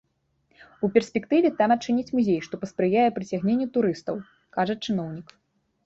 У перспектыве там адчыняць музей, што паспрыяе прыцягненню турыстаў, кажа чыноўнік.